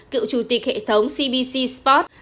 cựu chủ tịch hệ thống cbc sports